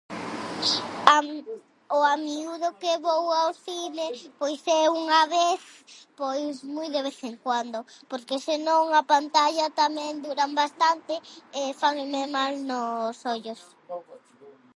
A miu- o a miúdo que vou ao cine, pois é unha vez, pois moi de vez en cuando porque se non a pantalla tamén duran bastante e fanme mal nos ollos.